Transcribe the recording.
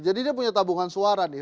jadi dia punya tabungan suara nih